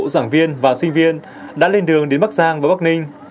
giảng viên và sinh viên đã lên đường đến bắc giang và bắc ninh